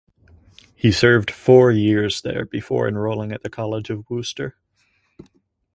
He served four years there before enrolling at the College of Wooster.